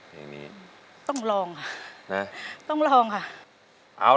เปลี่ยนเพลงเก่งของคุณและข้ามผิดได้๑คำ